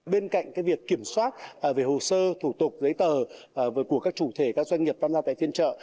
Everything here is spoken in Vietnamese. bên cạnh việc kiểm soát về hồ sơ thủ tục giấy tờ của các chủ thể các doanh nghiệp tham gia tại phiên chợ